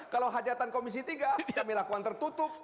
kalau hajatan komisi tiga kami lakukan tertutup